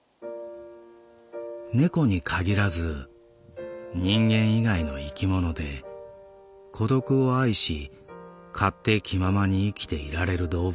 猫に限らず人間以外の生き物で孤独を愛し勝手気ままに生きていられる動物はいない。